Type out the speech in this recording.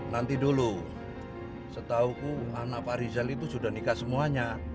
nanti dulu setahuku anak pak rizal itu sudah nikah semuanya